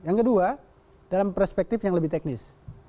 yang kedua dalam perspektif yang lebih teknis